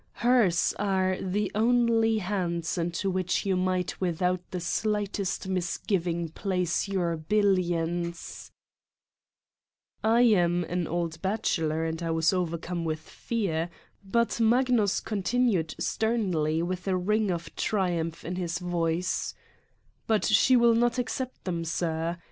Hers are the only hands into which you might without the slightest misgiving place your billions ", I am an old bachelor and I was overcome with fear, but Magnus continued sternly with a ring of triumph in his voice : "But she will not accept them, Sir!